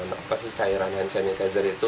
apa sih cairan hand sanitizer itu